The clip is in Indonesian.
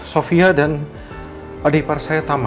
sofia dan adik ipar saya